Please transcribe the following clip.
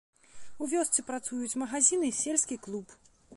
У вёсцы працуюць магазін і сельскі клуб.